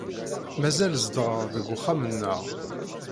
Mazal zedɣeɣ deg uxxam-nneɣ.